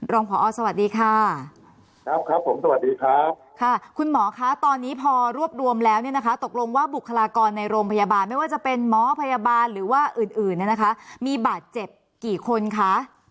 รองผอสวัสดีค่ะคุณหมอค่ะตอนนี้พอรวบรวมแล้วนะคะตกลงว่าบุคลากรในโรงพยาบาลไม่ว่าจะเป็นหมอพยาบาลหรือว่าอื่นมีบัตรเจ็บกี่คนคะ